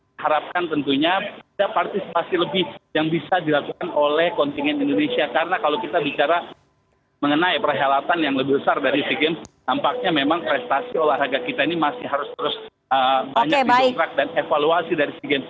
kita harapkan tentunya ada partisipasi lebih yang bisa dilakukan oleh kontingen indonesia karena kalau kita bicara mengenai perhelatan yang lebih besar dari sea games tampaknya memang prestasi olahraga kita ini masih harus terus banyak didongkrak dan evaluasi dari sea games